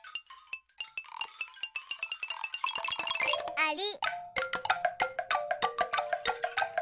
あり。